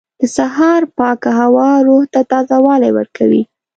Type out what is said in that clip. • د سهار پاکه هوا روح ته تازهوالی ورکوي.